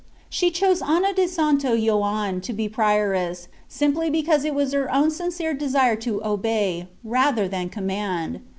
She chose Anna de Sancto Joanne to be prioress, simply because it was her own sincere desire to ohey, rather than command.